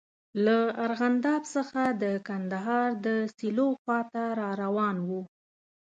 له ارغنداب څخه د کندهار د سیلو خواته را روان وو.